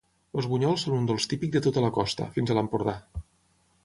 Els bunyols són un dolç típic de tota la costa, fins a l'Empordà.